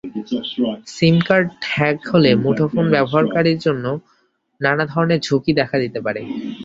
SIM card hack হলে মুঠোফোন ব্যবহারকারী জন্য নানা ধরনের ঝুঁকি দেখা দিতে পারে।